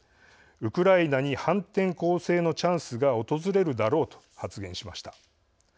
ウクライナに反転攻勢のチャンスが訪れるだろうと発言しました。